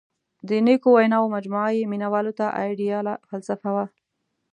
• د نیکو ویناوو مجموعه یې مینوالو ته آیډیاله فلسفه وه.